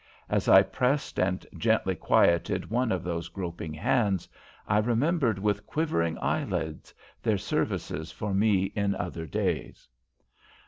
As I pressed and gently quieted one of those groping hands, I remembered with quivering eyelids their services for me in other days.